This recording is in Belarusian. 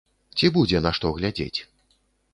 Ці будзе, на што глядзець?